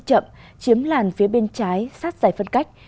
đi chậm chiếm làn phía bên trái sát giải phân cách